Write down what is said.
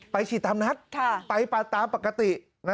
ไปฉีดตามนัดไปตามปกติ